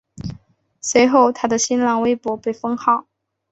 随后他的新浪微博被封号。